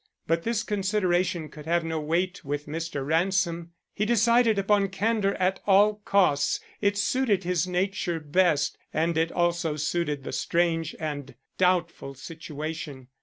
But this consideration could have no weight with Mr. Ransom. He decided upon candor at all costs. It suited his nature best, and it also suited the strange and doubtful situation.